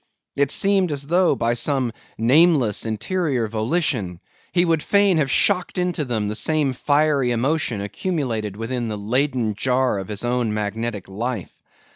It seemed as though, by some nameless, interior volition, he would fain have shocked into them the same fiery emotion accumulated within the Leyden jar of his own magnetic life.